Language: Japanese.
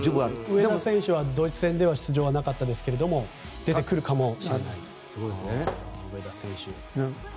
上田選手はドイツ戦での出場はなかったですが出てくるかもしれない。